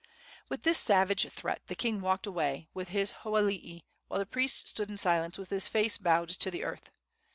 With this savage threat the king walked away with his hoalii, while the priest stood in silence with his face bowed to the earth.